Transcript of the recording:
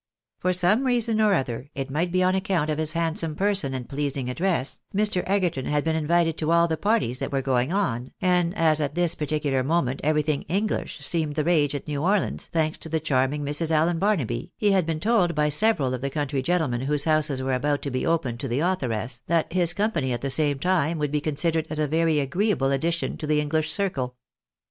For some reason or other, it might be on account of his hand some person and pleasing address, Mr. Egerton had been invited to all the parties that were going on ; and as at this particular moment everything English seemed the rage at New Orleans, thanks to the charming Mrs. Allen Barnaby, he had been told by several of the country gentlemen whose houses were about to be opened to the authoress, that his company at the same time would be considered as a very agreeable addition to the English circle.